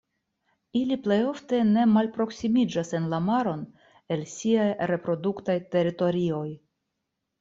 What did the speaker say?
Ili plej ofte ne malproksimiĝas en la maron el siaj reproduktaj teritorioj.